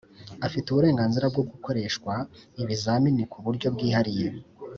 afite uburenganzira bwo gukoreshwa ibizamini ku buryo bwihariye.